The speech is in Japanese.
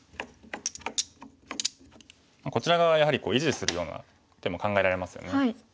こちら側やはり維持するような手も考えられますよね。